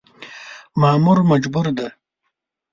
مامور مجبور دی .